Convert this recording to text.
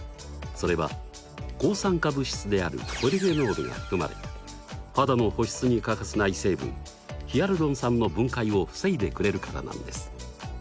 それは抗酸化物質であるポリフェノールが含まれ肌の保湿に欠かせない成分ヒアルロン酸の分解を防いでくれるからなんです。